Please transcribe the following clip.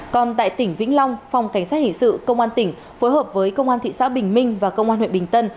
còn tại tỉnh vĩnh long phòng cảnh sát hình sự công an tỉnh phối hợp với công an thị xã bình minh và công an huyện bình tân